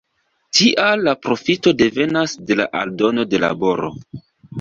Tial la profito devenas de la aldono de laboro.